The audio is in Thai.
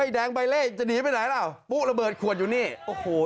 เฮ้ยแดงใบเล่จะหนีไปไหนแล้วปุ๊บระเบิดขวดอยู่นี่